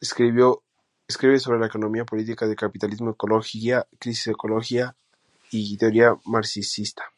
Escribe sobre la economía política del capitalismo, ecología, crisis ecológica y teoría marxista.